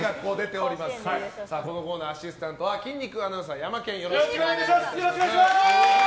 このコーナー、アシスタントは筋肉アナウンサーよろしくお願いします！